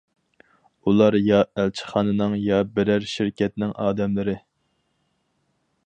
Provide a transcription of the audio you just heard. ئۇلار يا ئەلچىخانىنىڭ يا بىرەر شىركەتنىڭ ئادەملىرى.